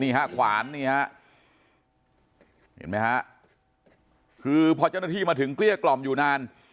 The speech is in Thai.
ขวานนี่ฮะเห็นไหมฮะคือพอเจ้าหน้าที่มาถึงเกลี้ยกล่อมอยู่นาน